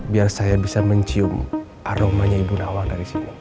biar saya bisa mencium aromanya ibu nawa dari sini